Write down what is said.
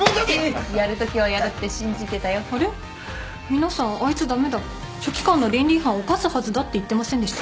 皆さん「あいつ駄目だ書記官の倫理違反犯すはずだ」って言ってませんでした？